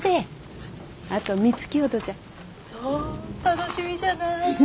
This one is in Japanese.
楽しみじゃなあ。